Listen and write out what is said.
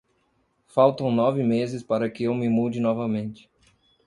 Faltam nove meses para que eu me mude novamente.